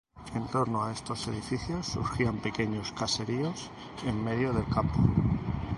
En torno a esos edificios surgían pequeños caseríos en medio del campo.